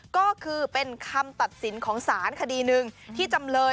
ก็คือเป็นคำตัดสินของสารคดีหนึ่งที่จำเลย